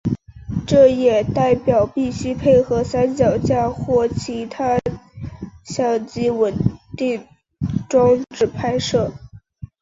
这也代表必须配合三脚架或其他相机稳定装置拍摄。